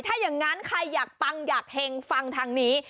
ถ้าอย่างนั้นใครอยากปังอยากเฮงฟังทางนี้